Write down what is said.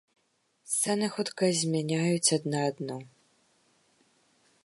Сцэны хутка змяняюць адна адну.